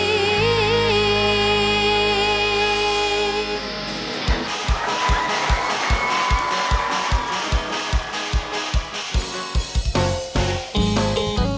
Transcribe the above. เยียมทลายศัพท์